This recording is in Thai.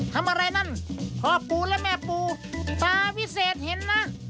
ทำอะไรนั่นพ่อปูและแม่ปูปลาวิเศษเห็นนะ